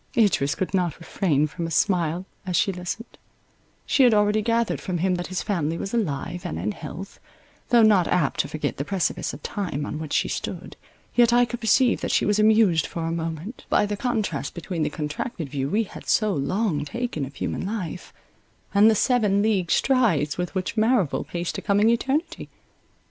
Idris could not refrain from a smile, as she listened; she had already gathered from him that his family was alive and in health; though not apt to forget the precipice of time on which she stood, yet I could perceive that she was amused for a moment, by the contrast between the contracted view we had so long taken of human life, and the seven league strides with which Merrival paced a coming eternity.